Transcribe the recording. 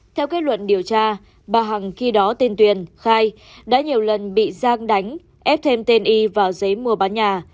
theo kết luận điều tra bà hằng khi đó tên tuyền khai đã nhiều lần bị giang đánh ép thêm tên y vào giấy mua bán nhà